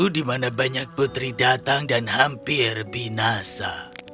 di mana banyak putri datang dan hampir binasa